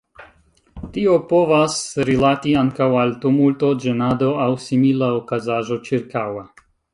Tio povas rilati ankaŭ al tumulto, ĝenado aŭ simila okazaĵo ĉirkaŭa.